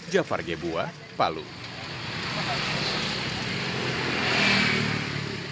jafar gebuah palung